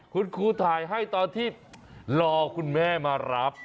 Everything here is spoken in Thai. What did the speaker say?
คุณครูถ่ายให้ตอนที่รอคุณแม่มารับ